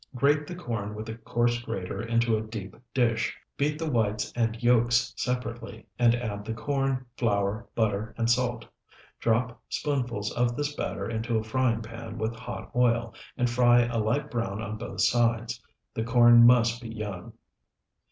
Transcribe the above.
Grate the corn with a coarse grater into a deep dish; beat the whites and yolks separately, and add the corn, flour, butter, and salt. Drop spoonfuls of this batter into a frying pan with hot oil, and fry a light brown on both sides. The corn must be young.